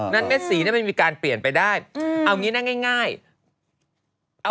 นั่นแม่สีน่ะมันมีการเปลี่ยนไปได้อืมเอาอย่างงี้แน่ง่ายง่าย